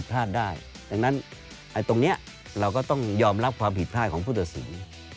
พลาดได้ดังนั้นตรงนี้เราก็ต้องยอมรับความผิดพลาดของผู้ตัดสิน